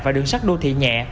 và đường sắt đô thị nhẹ